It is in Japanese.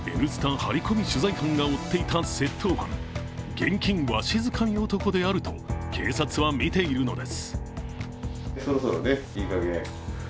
ハリコミ取材班が追っていた窃盗犯、現金わしづかみ男であると警察はみているのです。